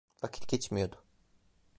Vakit geçmiyordu.